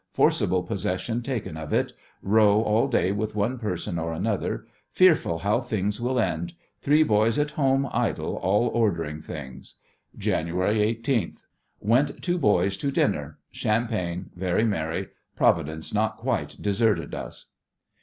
Forcible possession taken of it. Row all day with one person or another. Fearful how things will end. Three boys at home idle, all ordering things." "Jan. 18th. Went to boys' to dinner. Champagne. Very merry. Providence not quite deserted us."